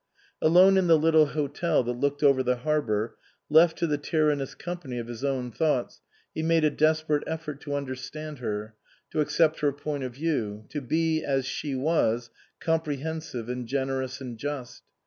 Alone in the little hotel that looked over the harbour, left to the tyrannous company of his own thoughts, he made a desperate effort to understand her, to accept her point of view, to be, as she was, comprehensive and generous and just.